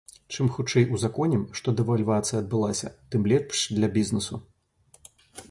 Чым хутчэй ўзаконім, што дэвальвацыя адбылася, тым лепш для бізнэсу.